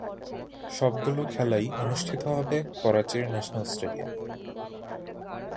সবগুলো খেলাই অনুষ্ঠিত হবে করাচির ন্যাশনাল স্টেডিয়ামে।